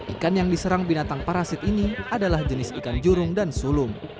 ikan yang diserang binatang parasit ini adalah jenis ikan jurung dan sulung